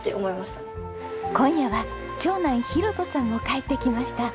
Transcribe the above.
今夜は長男裕登さんも帰ってきました。